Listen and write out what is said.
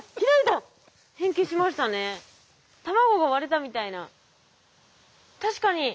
卵が割れたみたいな。